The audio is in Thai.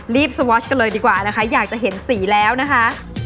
สวอชกันเลยดีกว่านะคะอยากจะเห็นสีแล้วนะคะ